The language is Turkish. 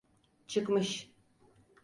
Çıkmış…